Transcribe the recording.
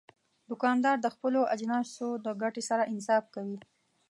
دوکاندار د خپلو اجناسو د ګټې سره انصاف کوي.